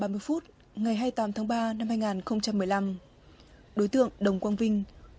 vào khoảng giờ ba mươi phút ngày hai mươi tám tháng ba năm hai nghìn một mươi năm đối tượng đồng quang vinh